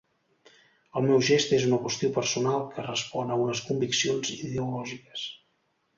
El meu gest és una qüestió personal que respon a unes conviccions ideològiques.